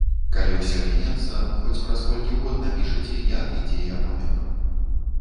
Калі ўсё мінецца, хоць праз колькі год, напішаце, як і дзе я памёр.